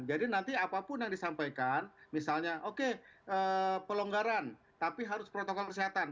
jadi nanti apapun yang disampaikan misalnya oke pelonggaran tapi harus protokol kesehatan